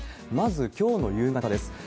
まずきょうの夕方です。